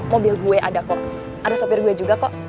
mobil gue ada kok ada sopir gue juga kok